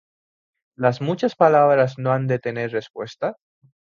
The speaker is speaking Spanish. ¿Las muchas palabras no han de tener respuesta?